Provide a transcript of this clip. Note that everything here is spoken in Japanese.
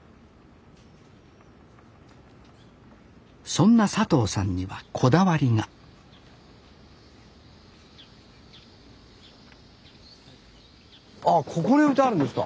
そんな佐藤さんにはこだわりがあここに置いてあるんですか？